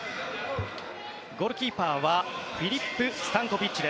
ゴールキーパーはフィリップ・スタンコビッチ。